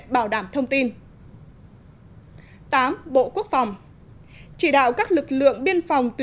tám bộ quốc phòng